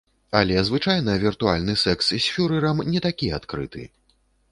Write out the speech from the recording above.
Але звычайна віртуальны сэкс з фюрэрам не такі адкрыты.